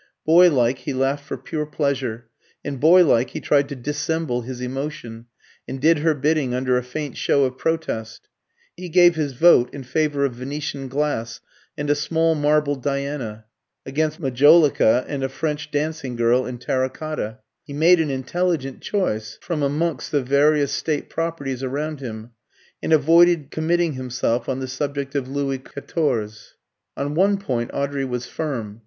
Boy like he laughed for pure pleasure, and boy like he tried to dissemble his emotion, and did her bidding under a faint show of protest. He gave his vote in favour of Venetian glass and a small marble Diana, against majolica and a French dancing girl in terra cotta; he made an intelligent choice from amongst the various state properties around him, and avoided committing himself on the subject of Louis Quatorze. On one point Audrey was firm.